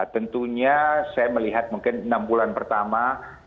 tentunya saya melihat mungkin enam bulan pertama